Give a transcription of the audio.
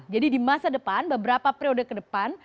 jadi di masa depan beberapa periode ke depan